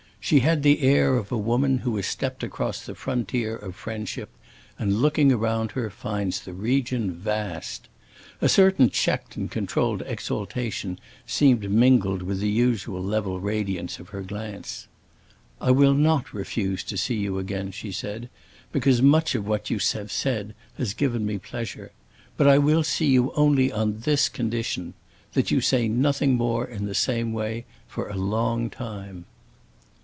She had the air of a woman who has stepped across the frontier of friendship and, looking around her, finds the region vast. A certain checked and controlled exaltation seemed mingled with the usual level radiance of her glance. "I will not refuse to see you again," she said, "because much of what you have said has given me pleasure. But I will see you only on this condition: that you say nothing more in the same way for a long time."